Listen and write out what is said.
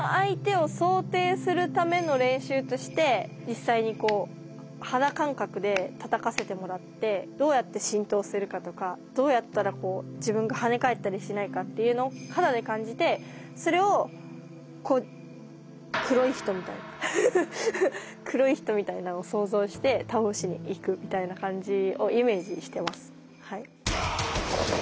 実際に肌感覚でたたかせてもらってどうやって浸透するかとかどうやったら自分が跳ね返ったりしないかっていうのを肌で感じてそれを黒い人みたいな黒い人みたいなのを想像して倒しにいくみたいな感じをイメージしてますはい。